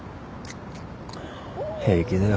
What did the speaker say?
平気だよ。